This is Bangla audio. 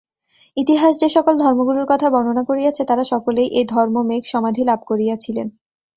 ইতিহাস যে-সকল ধর্মগুরুর কথা বর্ণনা করিয়াছে, তাঁহারা সকলেই এই ধর্মমেঘ-সমাধি লাভ করিয়াছিলেন।